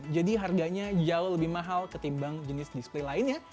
jadi harganya jauh lebih mahal ketimbang jenis display lainnya